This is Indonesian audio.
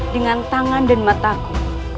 dengan tangan dan mataku